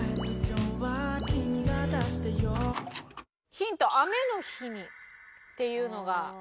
ヒント雨の日にっていうのが。